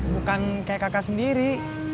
bukan kayak kakak sendiri